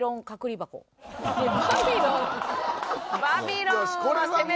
バビロン？